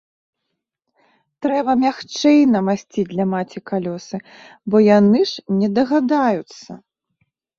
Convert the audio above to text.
Трэба мякчэй намасціць для маці калёсы, бо яны ж не дагадаюцца.